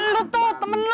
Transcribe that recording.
lu tuh temen lu